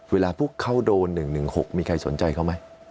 เวลาพวกเขาโดน๑๑๖มีใครสนใจเขาไหม